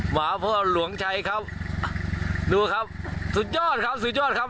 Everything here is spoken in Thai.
หมาพ่อหลวงชัยครับดูครับสุดยอดครับสุดยอดครับ